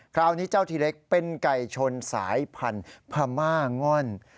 คราวนี้เจ้าทีเล็กเป็นไก่ชนสายพันธุ์พม่าง่อน